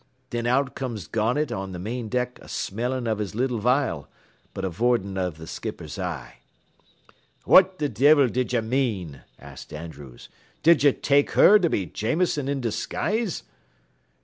Thin out comes Garnett on th' main deck a smellin' av his little vial, but avoidin' av th' skipper's eye. "'What th' devil did ye mean?' asked Andrews; 'did ye take her to be Jameson in disguise?'